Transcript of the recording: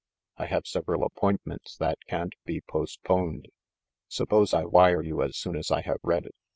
I have several appointments that can't be postponed. Suppose I wire you as soon as I have read it.